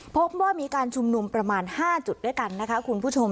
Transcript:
พบว่ามีการชุมนุมประมาณ๕จุดด้วยกันนะคะคุณผู้ชม